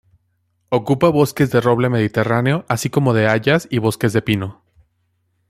Ocupa bosques de roble mediterráneo, así como de hayas y bosques de pino.